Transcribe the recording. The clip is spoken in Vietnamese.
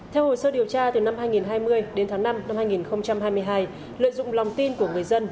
theo hồ sơ điều tra từ năm hai nghìn hai mươi đến tháng năm năm hai nghìn hai mươi hai lợi dụng lòng tin của người dân